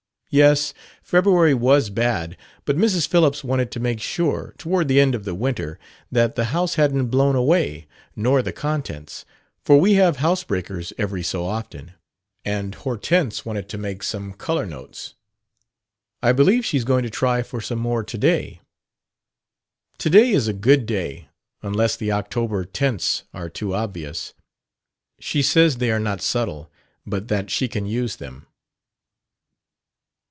"Yes, February was bad, but Mrs. Phillips wanted to make sure, toward the end of the winter, that the house hadn't blown away, nor the contents; for we have housebreakers every so often. And Hortense wanted to make some 'color notes.' I believe she's going to try for some more to day." "To day is a good day unless the October tints are too obvious." "She says they are not subtle, but that she can use them."